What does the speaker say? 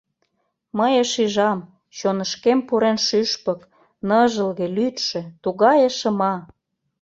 Мые шижам: чонышкем пурен шӱшпык, Ныжылге, лӱдшӧ, тугае шыма.